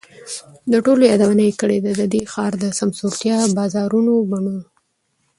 د ټولو یادونه یې کړې ده، د دې ښار د سمسورتیا، بازارونو، بڼونو،